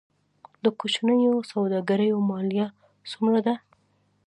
د کوچنیو سوداګریو مالیه څومره ده؟